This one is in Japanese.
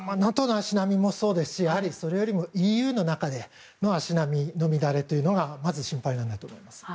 ＮＡＴＯの足並みもそうですし、それよりもＥＵの中での足並みの乱れというのがまず心配です。